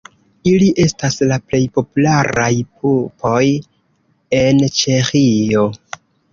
Ili estas la plej popularaj pupoj en Ĉeĥio.